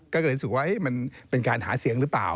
ก็เลยรู้สึกว่ามันเป็นการหาเสียงหรือเปล่า